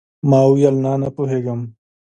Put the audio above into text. ما وويل نه نه پوهېږم.